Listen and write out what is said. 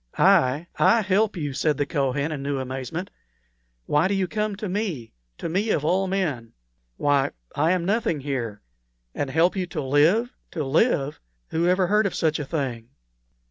"I I help you!" said the Kohen, in new amazement. "Why do you come to me to me, of all men? Why, I am nothing here. And help you to live to live! Who ever heard of such a thing?"